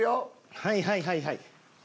はいはいはいはい。